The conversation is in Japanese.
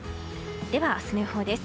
では、明日の予報です。